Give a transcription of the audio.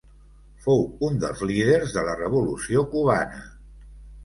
Fou un dels líders de la Revolució Cubana.